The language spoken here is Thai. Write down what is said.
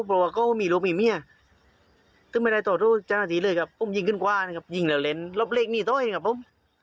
พอมีโรคแบบนี้ก็ไม่ได้ตอบทุกจังหาธีเลยครับผมยิงขึ้นขวานะครับยิงแล้วเล่นรอบเลขนี้ด้วยนะครับผม